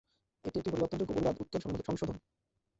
এটি একটি পরিবর্তনযোগ্য অনুবাদ-উত্তর সংশোধন।